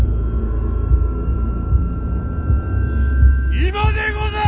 今でござる！